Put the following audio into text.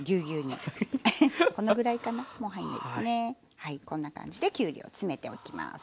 はいこんな感じできゅうりを詰めておきます。